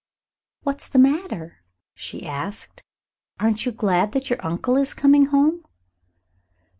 "What's the matter?" she asked. "Aren't you glad that your uncle is coming home?"